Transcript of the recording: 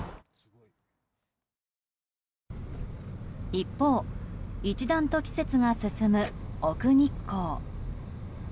一方一段と季節が進む奥日光。